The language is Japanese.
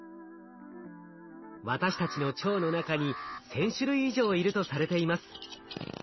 私たちの腸の中に１，０００種類以上いるとされています。